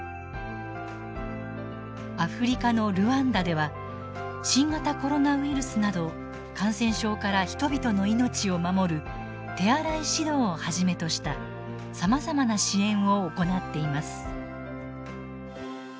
アフリカのルワンダでは新型コロナウイルスなど感染症から人々の命を守る手洗い指導をはじめとしたさまざまな支援を行っています。